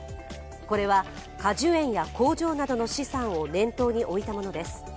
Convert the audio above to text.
これは果樹園や工場などの資産を念頭に置いたものです。